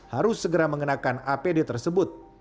harus segera mengenakan apd tersebut